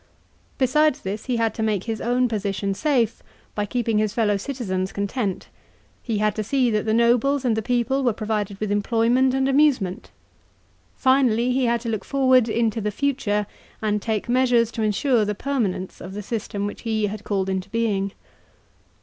Besides this he had to make his own position safe by keeping his fellow citizens content; he had to see that the nobles and the people were provided with employment and amusement. Finally he had to look for war. 1 into the future, and take measures to ensure the permanence of the system which he had called into being.